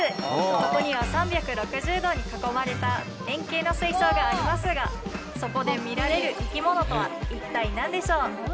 ここには３６０度に囲まれた円形の水槽がありますがそこで見られる生き物とは一体何でしょう？